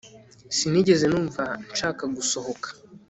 Sinigeze numva nshaka gusohoka